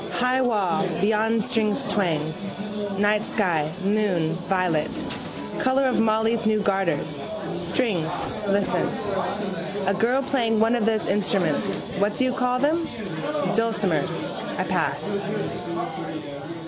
High wall: beyond strings twanged. Night sky, moon, violet, colour of Molly's new garters. Strings. Listen. A girl playing one of those instruments what do you call them: dulcimers. I pass.